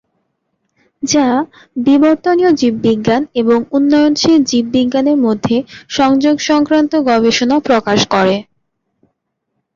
যা; বিবর্তনীয় জীববিজ্ঞান এবং উন্নয়নশীল জীববিজ্ঞানের মধ্যে সংযোগ সংক্রান্ত গবেষণা প্রকাশ করে।